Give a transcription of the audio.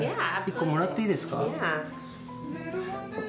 １個もらっていいですか？